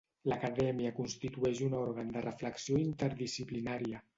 L'Acadèmia constitueix un òrgan de reflexió interdisciplinària.